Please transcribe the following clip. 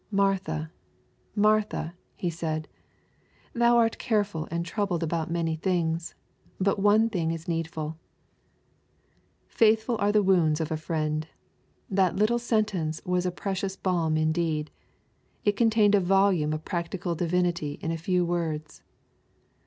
"Martha, Martha,'' He said, "thou art careful and troubled about many things : but one thing is needful/' Faithful are the wounds of a friend ! That little sentence was a precious balm indeed ! It contained a volume of practical divinity in a few words.